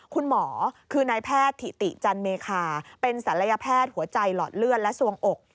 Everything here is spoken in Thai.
คุณหมอคือนายแพทย์ถิติจันเมคาเป็นศัลยแพทย์หัวใจหลอดเลือดและส่วงอก